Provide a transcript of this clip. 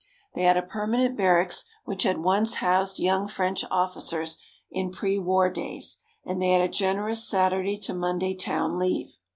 They had a permanent barracks which had once housed young French officers, in pre war days, and they had a generous Saturday to Monday town leave.